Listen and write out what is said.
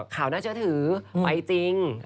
ข่าวน่าเชื่อถือไปจริง